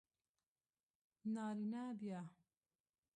نارینه بیا